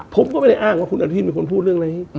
ผมก็ไม่ได้อ้างว่าคุณอนุทินเป็นคนพูดเรื่องอะไร